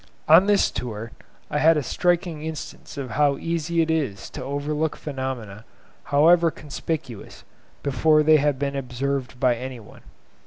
On this tour I had a striking instance of how easy it is to overlook phenomena, however conspicuous, before they have been observed by any one.